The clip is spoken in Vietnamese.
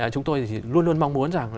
chúng tôi luôn luôn mong muốn rằng